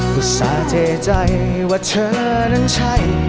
กูสาเจใจว่าเธอนั้นใช่